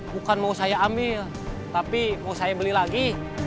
bukan mau saya ambil tapi mau saya beli lagi